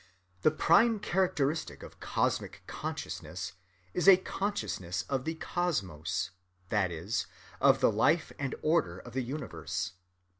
"The prime characteristic of cosmic consciousness is a consciousness of the cosmos, that is, of the life and order of the universe.